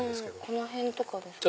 この辺とかですかね。